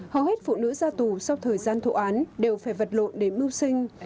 hầu hết phụ nữ ra tù sau thời gian thụ án đều phải vật lộn để mưu sinh